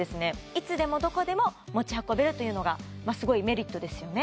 いつでもどこでも持ち運べるというのがすごいメリットですよね